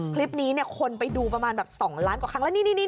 คลิปนี้คนไปดูเพราะ๒ล้านกว่าครั้ง